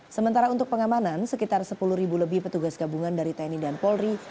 sementara untuk pengamanan sekitar sepuluh ribu lebih petugas gabungan dari tni dan polri